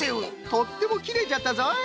とってもきれいじゃったぞい。